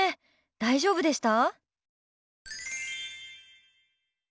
大丈夫でした？